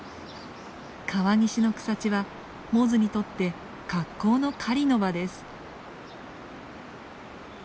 川岸の草地はモズにとって格好の狩りの場です。